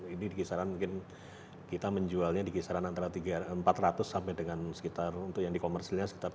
ini di kisaran mungkin kita menjualnya di kisaran antara empat ratus sampai dengan sekitar untuk yang di komersilnya